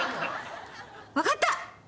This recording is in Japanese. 分かった！